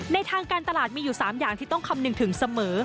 ทางการตลาดมีอยู่๓อย่างที่ต้องคำนึงถึงเสมอ